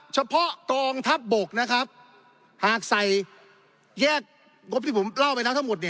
เฉพาะกองทัพบกนะครับหากใส่แยกงบที่ผมเล่าไปแล้วทั้งหมด